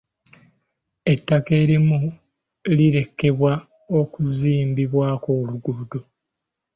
Ettaka erimu lirekebwa okuzimbibwako oluguudo.